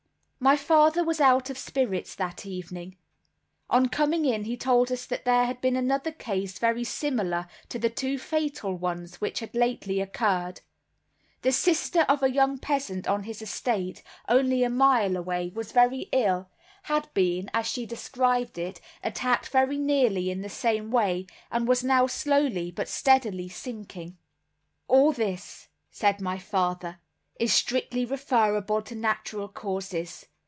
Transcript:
My father was out of spirits that evening. On coming in he told us that there had been another case very similar to the two fatal ones which had lately occurred. The sister of a young peasant on his estate, only a mile away, was very ill, had been, as she described it, attacked very nearly in the same way, and was now slowly but steadily sinking. "All this," said my father, "is strictly referable to natural causes.